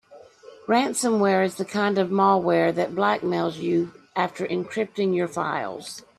Ransomware is the kind of malware that blackmails you after encrypting your files.